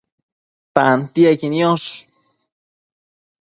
tantiequi niosh